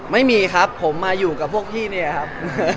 ไม่มีครับผมมาอยู่กับพวกพี่เนี่ยครับ